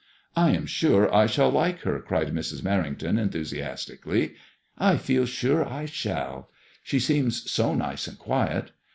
I am sure I shall like her," cried Mrs. Merrington, enthusiasm tically. " I feel sure I shall." '' She seems so nice and quiet."